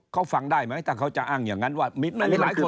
เขาฟังได้ไหมถ้าเขาจะอ้างอย่างนั้นว่ามันมีหลายตัว